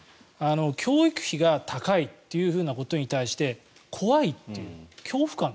教育費が高いということに対して怖いっていう恐怖感。